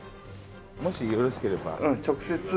もしよろしければ直接でも。